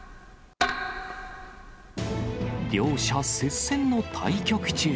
両者接戦の対局中。